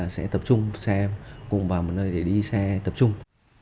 sẽ tập trung xe cùng vào một nơi để đi xe tập trung